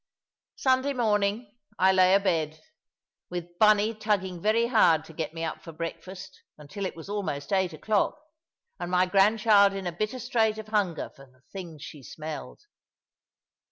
Sunday morning I lay abed, with Bunny tugging very hard to get me up for breakfast, until it was almost eight o'clock, and my grandchild in a bitter strait of hunger for the things she smelled.